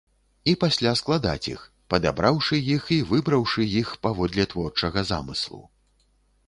І пасля складаць іх, падабраўшы іх і выбраўшы іх паводле творчага замыслу.